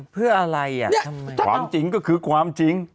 เพื่ออะไรอ่ะทำไมความจริงก็คือความจริง